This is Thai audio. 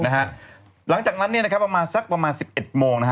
หลังจากนั้นประมาณสักประมาณ๑๑โมง